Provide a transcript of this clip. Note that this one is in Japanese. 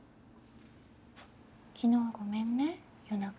昨日はごめんね夜中。